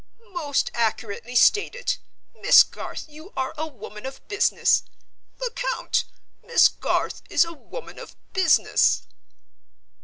"Most accurately stated! Miss Garth, you are a woman of business. Lecount, Miss Garth is a woman of business."